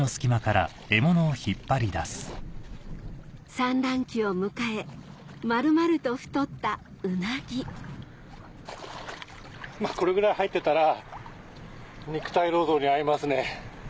産卵期を迎え丸々と太ったウナギまぁこれぐらい入ってたら肉体労働に合いますね。